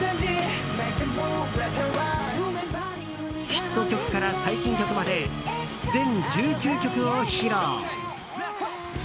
ヒット曲から最新曲まで全１９曲を披露。